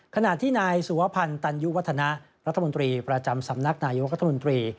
ขณะที่นายสุวพันธ์ตันยุวัฒนะรัฐมนตรีประจำสำนักนายกรัฐมนตรี